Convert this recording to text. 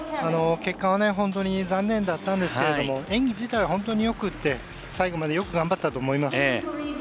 結果は本当に残念でしたが演技自体は本当によくて、最後までよく頑張ったと思います。